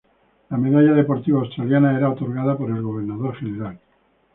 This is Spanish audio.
La Medalla Deportiva Australiana era otorgada por el Gobernador-General.